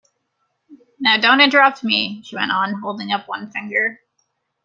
Now don’t interrupt me!’ she went on, holding up one finger.